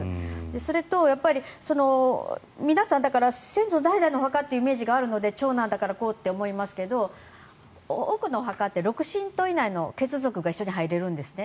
それと皆さん先祖代々のお墓っていうイメージがあるので長男だからこうと思いますが多くのお墓で６親等以内の血族が一緒に入れるんですね。